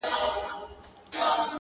پوليس کور پلټي او هر کونج ته ځي,